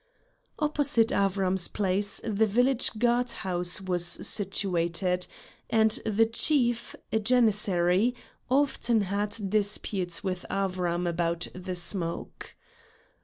Opposite Avram's place the village guard house was situated, and the chief, a Janissary, often had disputes with Avram about the smoke.